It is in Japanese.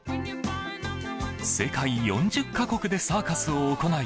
世界４０か国でサーカスを行い